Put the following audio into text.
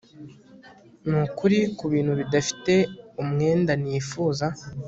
Nukuri kubintu bidafite umwenda nifuza